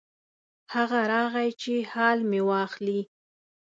هغه راغی چې حال مې واخلي.